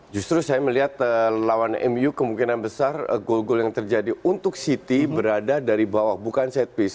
justru saya melihat lawan mu kemungkinan besar gol gol yang terjadi untuk city berada dari bawah bukan set piece